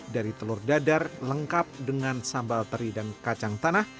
dari telur dadar lengkap dengan sambal teri dan kacang tanah